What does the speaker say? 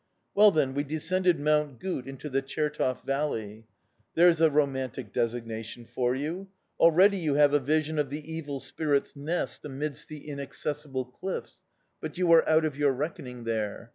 Well, then, we descended Mount Gut into the Chertov Valley... There's a romantic designation for you! Already you have a vision of the evil spirit's nest amid the inaccessible cliffs but you are out of your reckoning there.